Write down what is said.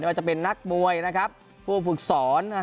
ก็จะเป็นนักมวยผู้ฝึกศร